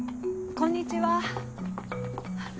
こんにちは。